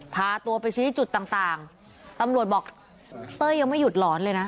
พาตัวไปชี้จุดต่างต่างตำรวจบอกเต้ยยังไม่หยุดหลอนเลยนะ